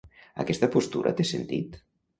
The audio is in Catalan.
Aquesta postura té sentit?